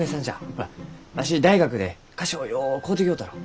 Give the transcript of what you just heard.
ほらわし大学で菓子をよう買うてきよったろう？